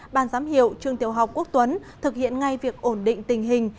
ban giám hiệu trường tiểu học quốc tuấn thực hiện ngay việc ổn định tình hình